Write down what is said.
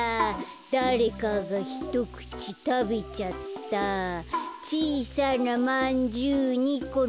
「だれかがひとくちたべちゃった」「ちいさなまんじゅう２このせて」